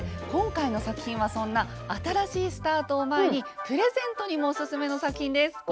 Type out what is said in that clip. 今回の作品はそんな新しいスタートを前にプレゼントにもおすすめの作品です。